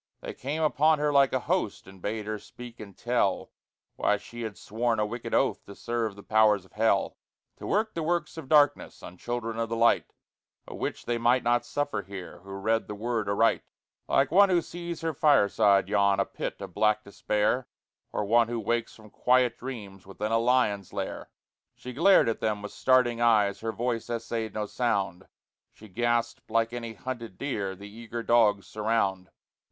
They came upon her like a host, And bade her speak and tell Why she had sworn a wicked oath To serve the powers of hell; To work the works of darkness On children of the light, A witch they might not suffer here Who read the Word aright. Like one who sees her fireside yawn, A pit of black despair, Or one who wakes from quiet dreams Within a lion's lair, She glared at them with starting eyes, Her voice essayed no sound; She gasped like any hunted deer The eager dogs surround.